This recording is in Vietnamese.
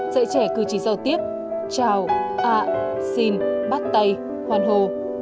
dạy trẻ cử chỉ giao tiếp chào ạ xin bắt tay hoàn hồ